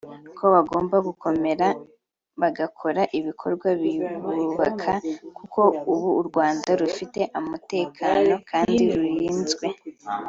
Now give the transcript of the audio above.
ko bagomba gukomera bagakora ibikorwa bibubaka kuko ubu u Rwanda rufite umutekano kandi rurinzwe